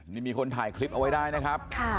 นี่มีคนถ่ายคลิปเอาไว้ได้นะครับ